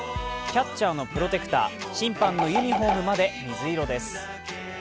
キャッチャーのプロテクター、審判のユニフォームまで水色です。